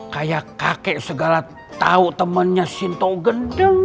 kayak kakek segala tau temennya sinto gendeng